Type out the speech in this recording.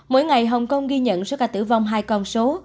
mỗi ngày hồng kông ghi nhận số ca tử vong hai con số